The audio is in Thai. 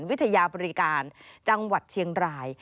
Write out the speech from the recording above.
วิทยาบริการจังหวัดเชียงราย